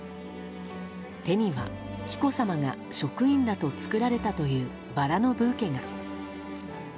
手には、紀子さまが職員らと作られたというバラのブーケが。